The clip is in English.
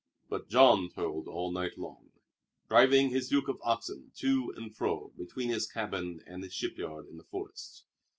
But Jean toiled all night long, driving his yoke of oxen to and fro between his cabin and his shipyard in the forest.